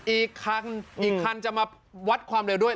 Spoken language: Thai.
อีกคันอีกคันจะมาวัดความเร็วด้วย